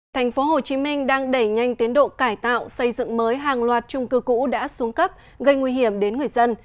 thành phố hồ chí minh đang đẩy nhanh tiến độ cải tạo xây dựng mới hàng loạt trung cư cũ đã xuống cấp gây nguy hiểm đến người dân